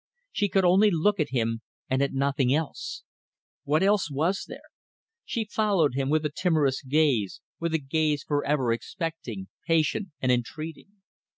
She could only look at him and at nothing else. What else was there? She followed him with a timorous gaze, with a gaze for ever expecting, patient, and entreating.